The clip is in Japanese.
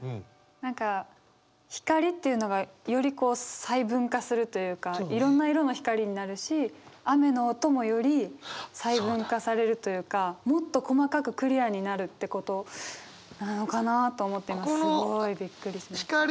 何か光というのがより細分化するというかいろんな色の光になるし雨の音もより細分化されるというかもっと細かくクリアになるってことなのかなと思って今すごいびっくりしました。